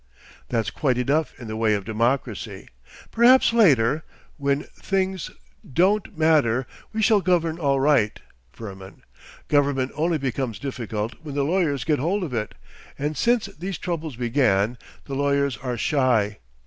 That's quite enough in the way of democracy. Perhaps later—when things don't matter.... We shall govern all right, Firmin. Government only becomes difficult when the lawyers get hold of it, and since these troubles began the lawyers are shy.